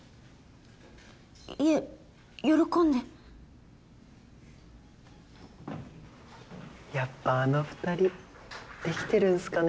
いえ喜んでやっぱあの２人できてるんすかね？